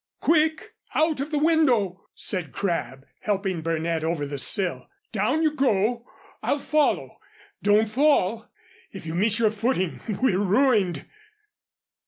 "Quick! Out of the window!" said Crabb, helping Burnett over the sill. "Down you go I'll follow. Don't fall. If you miss your footing, we're ruined."